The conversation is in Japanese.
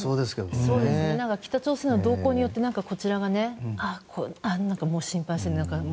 北朝鮮の動向によってこちらが心配している中